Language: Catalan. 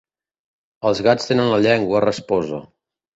Els gats tenen la llengua rasposa.